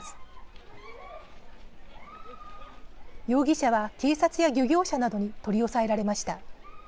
容疑者は警察や漁業者などに取り押さえられました。